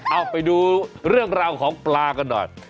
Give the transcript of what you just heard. เอาไปดูเรื่องราวของปลากันหน่อย